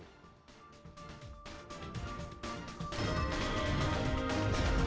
baik pak syarizal